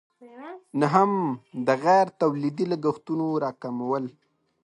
نهم: د غیر تولیدي لګښتونو راکمول.